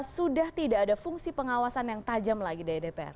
sudah tidak ada fungsi pengawasan yang tajam lagi dari dpr